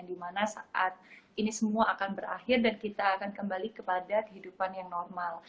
dimana saat ini semua akan berakhir dan kita akan kembali kepada kehidupan yang normal